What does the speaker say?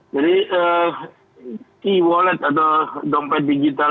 jadi key wallet atau dompet digital